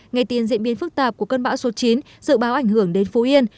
ngày tiền diễn biến phức tạp của cơn bão số chín dự báo ảnh hưởng đến phú yên